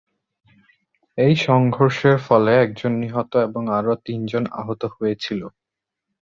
এই সংঘর্ষের ফলে একজন নিহত এবং আরও তিন জন আহত হয়েছিল।